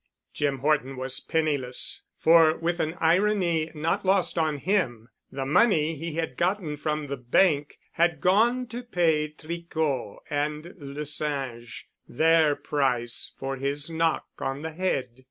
Jim Horton was penniless, for with an irony not lost on him, the money he had gotten from the bank had gone to pay Tricot and Le Singe their price for his knock on the head.